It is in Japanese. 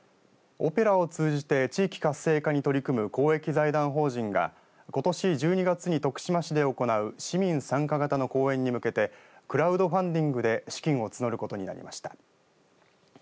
オペラを通じて地域活性化に取り組む公益財団法人がことし１２月に徳島市で行う市民参加型の公演に向けてクラウドファンディングで資金を募ることになりました。